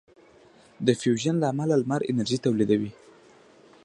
د فیوژن له امله لمر انرژي تولیدوي.